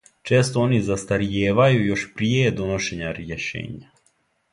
Често они застаријевају још прије доношења рјешења.